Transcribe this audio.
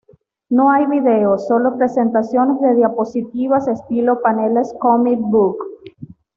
No hay videos, solo presentaciones de diapositivas estilo paneles-comic book.